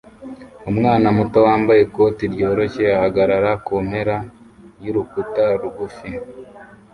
Umwana muto wambaye ikoti ryoroshye ahagarara kumpera yurukuta rugufi